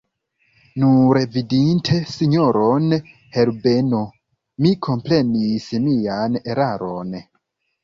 Nur vidinte sinjoron Herbeno, mi komprenis mian eraron.